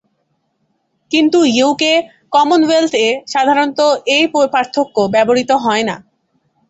কিন্তু ইউকে/কমনয়েলথ এ সাধারণত এই পার্থক্য ব্যবহৃত হয়না।